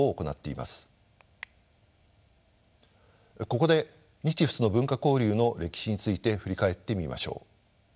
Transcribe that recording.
ここで日仏の文化交流の歴史について振り返ってみましょう。